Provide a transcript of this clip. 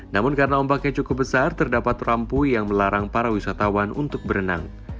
namun karena ombaknya cukup besar terdapat rampu yang melarang para wisatawan untuk berenang